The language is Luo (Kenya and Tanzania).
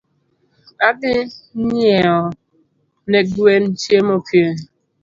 Adhi nyieo ne gwen chiemo kiny.